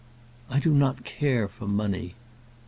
"I do not care for money."